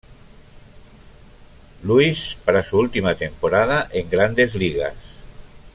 Louis" para su última temporada en "Grandes Ligas".